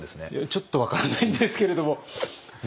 ちょっと分からないんですけれども。